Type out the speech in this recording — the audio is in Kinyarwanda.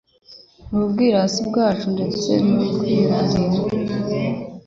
n'ubwirasi bwacu ndetse n'ukwirarira?